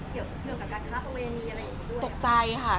แล้วมันเป็นเกี่ยวกับการทรัพย์เวรี่อะไรอย่างนี้ด้วย